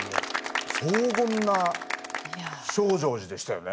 荘厳な「証城寺」でしたよね。